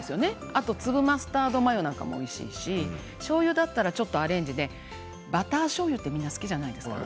あと粒マスタードマヨもおいしいし、しょうゆだったらちょっとアレンジでバターしょうゆってみんな好きじゃないですか。